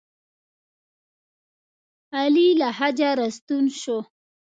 علي له حجه راستون شو.